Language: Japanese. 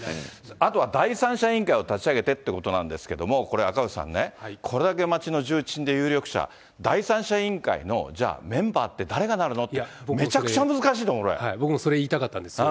あとは第三者委員会を立ち上げてっていうことなんですけども、これ、赤星さんね、これだけ町の重鎮で有力者、第三者委員会のじゃあ、僕もそれ言いたかったんですよ。